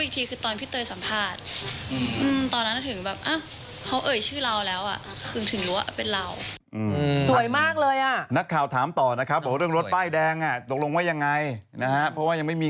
ตอนอักษรย่อไม่รู้เรื่องเลยพี่